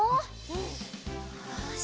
よし！